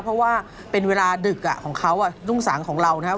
เพราะว่าเป็นเวลาดึกของเขารุ่งสางของเรานะครับ